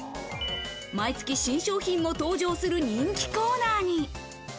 毎月新商品も登場する人気コーナーに。